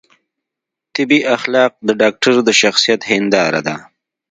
طبي اخلاق د ډاکتر د شخصیت هنداره ده.